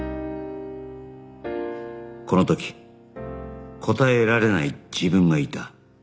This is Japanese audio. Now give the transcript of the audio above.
この時答えられない自分がいた